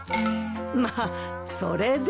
まあそれで。